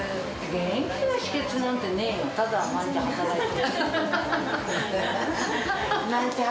元気の秘けつなんてねぇよ、ただ毎日働いて。